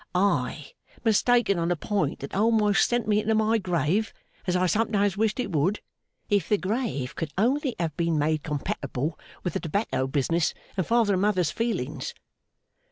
I mistaken on a point that almost sent me into my grave, as I sometimes wished it would, if the grave could only have been made compatible with the tobacco business and father and mother's feelings!